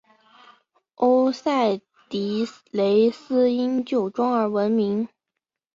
欧塞迪雷斯因酒庄而闻名。